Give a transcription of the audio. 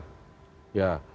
skill untuk mendengar